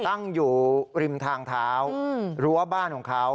ตั้งอยู่ริมทางเท้ารั้วบ้านของเขา